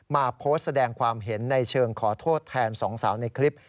มาโพสต์แสดงความเห็นในเชิงขอโทษแทนสองสาวในคลิป